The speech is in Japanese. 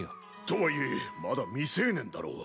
とはいえまだ未成年だろ。